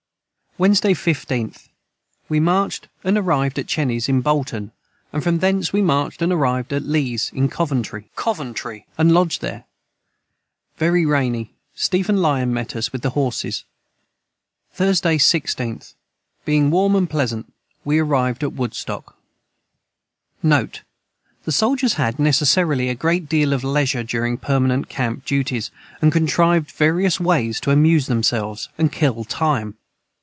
Wednesday 15th. We marched & arived at Chenys in Bolton and from thence we marched and Arived at Lees in covantry & Lodged their very rainy Stephen Lyon met us with the Horses. [Footnote 97: Coventry.] Thursday 16th. Being warm & pleasant we arived at Woodstock. NOTE. The soldiers had, necessarily, a great deal of leisure during permanent camp duties, and contrived various ways to amuse themselves, and "kill time."